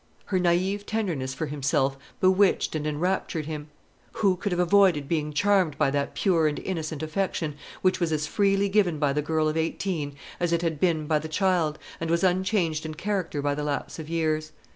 Her naïve tenderness for himself bewitched and enraptured him. Who could have avoided being charmed by that pure and innocent affection, which was as freely given by the girl of eighteen as it had been by the child, and was unchanged in character by the lapse of years?